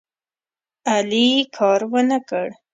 علي کار ونه کړ.